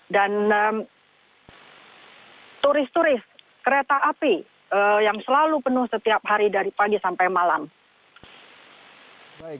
dan turis turis kereta api yang selalu penuh setiap hari dari pagi sampai malam